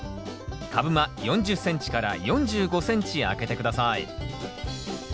株間４０ｃｍ４５ｃｍ空けて下さい。